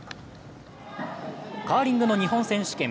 カーリングの日本選手権。